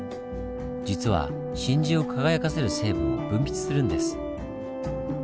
実は真珠を輝かせる成分を分泌するんです。